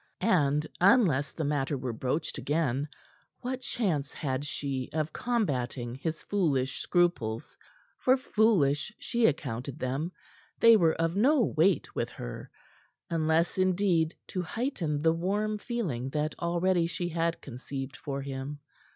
And unless the matter were broached again, what chance had she of combatting his foolish scruples; for foolish she accounted them; they were of no weight with her, unless, indeed, to heighten the warm feeling that already she had conceived for him.